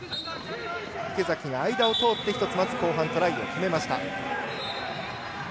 池崎の間を通って後半まず１つ、トライ決めました。